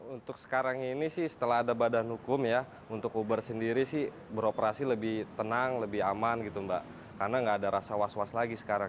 untuk sekarang ini setelah ada badan hukum untuk uber sendiri beroperasi lebih tenang lebih aman karena tidak ada rasa was was lagi sekarang